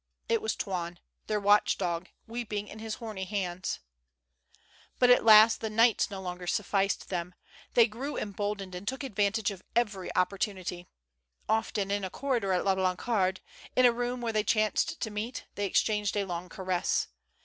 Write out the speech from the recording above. It was Toine, their watch dog, weeping in his horny hands. But at last the nights no longer sufficed them. They grew emboldened and took advantage of every oppor tunity. Often in a corridor at La Blancarde, in a room where they chanced to meet, they exchanged a long caress.